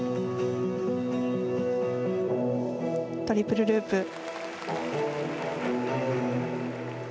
トリプルループ。